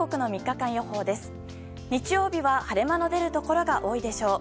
日曜日は、晴れ間の出るところが多いでしょう。